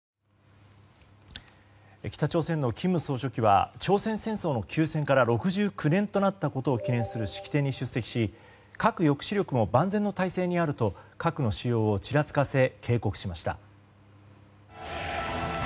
北朝鮮の金総書記は朝鮮戦争の休戦から６９年となったことを記念する式典に出席し核抑止力も万全の態勢にあると核の使用をちらつかせ警告しました。